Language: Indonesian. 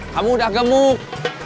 kamu udah gemuk